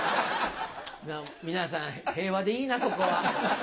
皆さん平和でいいなここは。